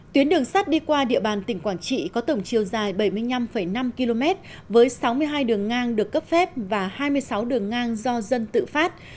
tuyến đường sắt đi qua địa bàn tỉnh quảng trị có tổng chiều dài bảy mươi năm năm km với sáu mươi hai đường ngang được cấp phép và hai mươi sáu đường ngang do dân tự phát